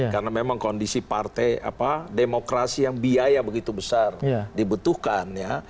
karena memang kondisi partai demokrasi yang biaya begitu besar dibutuhkan ya